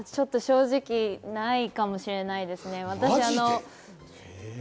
正直、ないかもしれないですね。